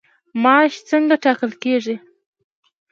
معاش څنګه ټاکل کیږي؟